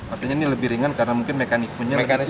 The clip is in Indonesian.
artinya ini lebih ringan karena mungkin mekanisme nya lebih kecil